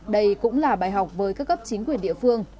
đây cũng là bài học với các cấp chính quyền địa phương